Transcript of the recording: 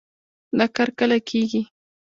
دا کار کله کېږي؟